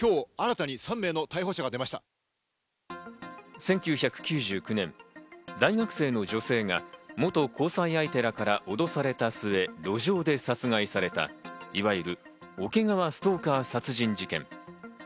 １９９９年、大学生の女性が元交際相手らから脅された末、路上で殺害された、いわゆる桶川ストーカー殺人事件。